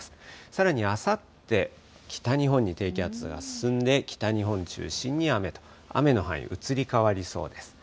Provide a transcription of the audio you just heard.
さらにあさって、北日本に低気圧が進んで、北日本中心に雨と、雨の範囲、移り変わりそうです。